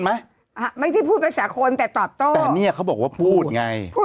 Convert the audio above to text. ไหมอ่าไม่ใช่พูดภาษาคนแต่ตอบโต้แต่เนี่ยเขาบอกว่าพูดไงพูด